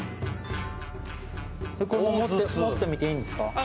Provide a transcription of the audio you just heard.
これ持ってみていいんですか？